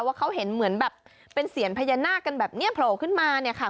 ว่าเขาเห็นเหมือนแบบเป็นเสียงพญานาคกันแบบนี้โผล่ขึ้นมาเนี่ยค่ะ